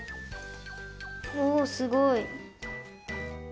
おすごい！